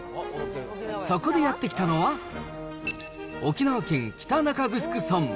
そこでやって来たのは、沖縄県北中城村。